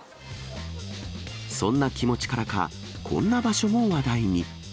そんな気持ちからか、こんな場所も話題に。